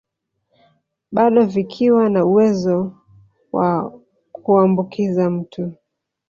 Bado vikiwa na uwezo wa kuambukiza mtu